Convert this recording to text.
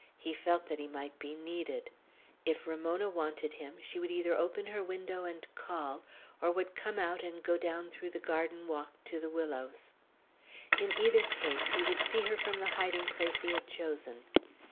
He felt that he might be needed: if Ramona wanted him, she would either open her window and call, or would come out and go down through the garden walk to the willows. In either case, he would see her from the hiding place he had chosen.